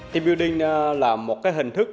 team building là một hình thức